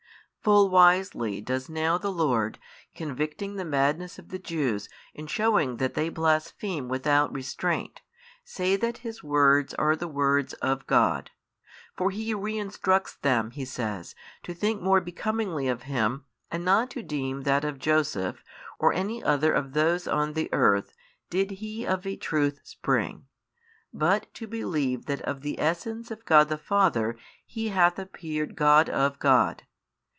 Full wisely does now the Lord, convicting the madness of the Jews and shewing that they blaspheme without restraint, say that His words are the words of God. For He reinstructs them (He says) to think more becomingly of Him and not to deem that of Joseph or any other of those on the earth did He of a truth spring, but to believe that of the Essence of God the Father He hath appeared God of God.